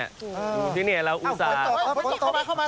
อยู่ที่นี่เราอุตส่าห์